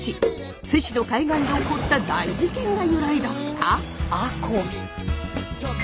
津市の海岸で起こった大事件が由来だった？